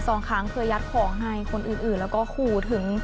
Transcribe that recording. สองครั้งเคยยัดของให้คนอื่นอื่นแล้วก็ขู่ถึง